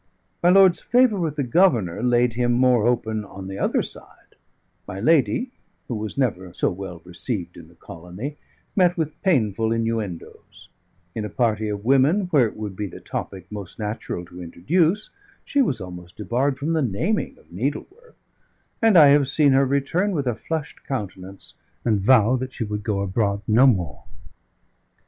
My lord's favour with the Governor laid him more open on the other side; my lady (who was never so well received in the colony) met with painful innuendoes; in a party of women, where it would be the topic most natural to introduce, she was almost debarred from the naming of needle work; and I have seen her return with a flushed countenance, and vow that she would go abroad no more.